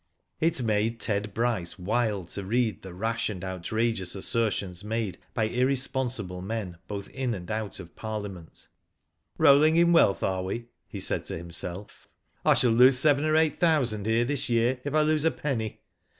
It made Ted Bryce wild to read the rash and outrageous assertions made by irresponsible men both in and out of Parliament. ^^ Rolling in wealth are we,'* he said to himself. I shall lose seven or eight thousand here this year if I lose a penny.